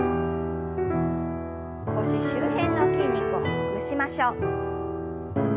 腰周辺の筋肉をほぐしましょう。